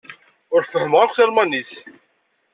Ur fehhmeɣ akk talmanit.